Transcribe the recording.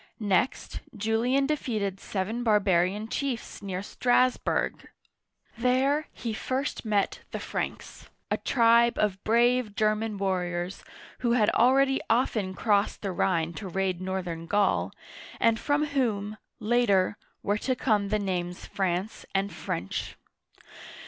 Next, Julian defeated seven barbarian chiefs near Strass' burg. There, he first met the Franks, a tribe of brave German warriors who had already often crossed the Rhine to raid northern Gaul, and from whom, later, were to come the names France and French.